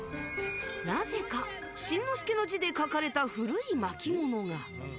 なぜか、しんのすけの字で書かれた古い巻物が。